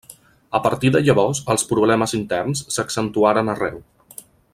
A partir de llavors els problemes interns s'accentuaren arreu.